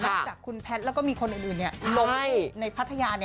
จากคุณแพทย์แล้วก็มีคนอื่นลงในพัทยา